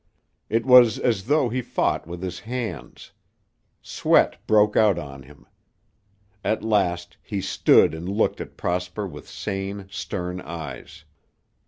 It was as though he fought with his hands. Sweat broke out on him. At last, he stood and looked at Prosper with sane, stern eyes.